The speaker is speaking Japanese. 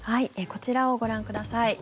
こちらをご覧ください。